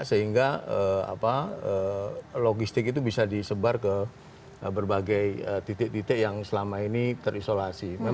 sehingga logistik itu bisa disebar ke berbagai titik titik yang selama ini terisolasi